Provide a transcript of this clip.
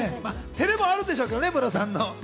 照れもあるんでしょうけどね、ムロさんの。